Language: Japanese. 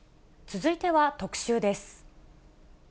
続いては特集です。